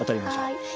はい。